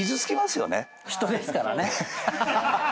人ですからね。